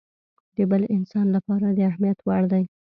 د بل انسان لپاره د اهميت وړ دی.